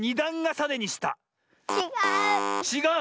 ちがう。